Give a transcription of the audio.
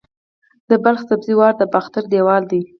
د بلخ سبزې وار د باختر دیوال دی